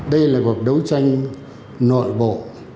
đây là cuộc đấu tranh nội bộ